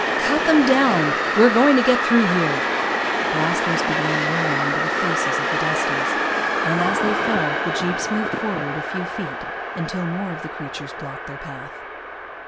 "Cut them down! We're going to get through here!" Blasters began roaring into the faces of the Dusties, and as they fell the jeeps moved forward a few feet until more of the creatures blocked their path.